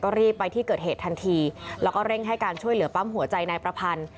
รีบไปที่เกิดเหตุทันทีแล้วก็เร่งให้การช่วยเหลือปั๊มหัวใจนายประพันธ์